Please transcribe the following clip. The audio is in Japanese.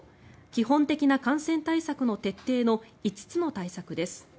基本的な感染対策の徹底の５つの対策です。